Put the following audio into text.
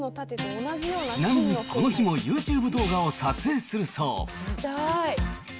ちなみにこの日もユーチューブ動画を撮影するそう。